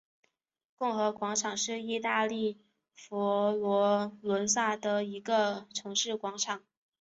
共和广场是意大利佛罗伦萨的一个城市广场。